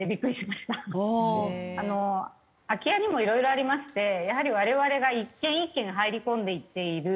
空き家にもいろいろありましてやはり我々が一軒一軒入り込んでいっている